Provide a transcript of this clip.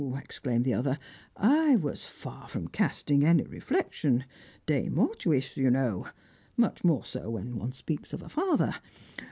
exclaimed the other. "I was far from casting any reflection. De mortuis, you know; much more so when one speaks of a father.